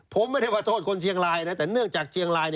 ผมไม่ได้ว่าโทษคนเชียงรายนะแต่เนื่องจากเชียงราย